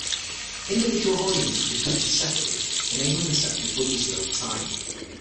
Individual volumes could be purchased separately, enabling the set to be budgeted over time.